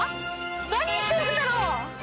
何してるんだろう。